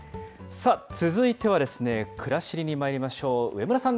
さあ、続いてはくらしりにまいりましょう。